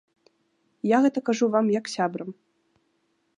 Я гэта кажу вам, як сябрам.